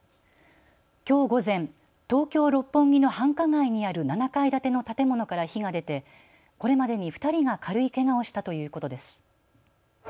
きょう午前、東京六本木の繁華街にある７階建ての建物から火が出てこれまでに２人が軽いけがをしたということです。